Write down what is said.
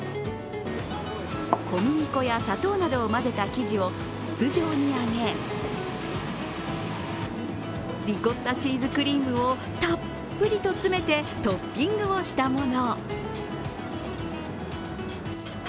小麦粉や砂糖などを混ぜた生地を筒状に揚げリコッタチーズクリームをたっぷりと詰めてトッピングをしたもの。